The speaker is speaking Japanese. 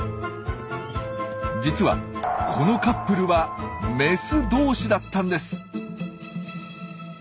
実はこのカップルは「メスどうし」だったんです！